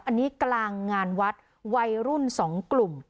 อันนี้กลางงานวัดวัยรุ่นสองกลุ่ม